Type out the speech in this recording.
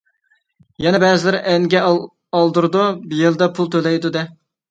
يەنە بەزىلەر ئەنگە ئالدۇرىدۇ، يىلدا پۇل تۆلەيدۇ دەيدۇ.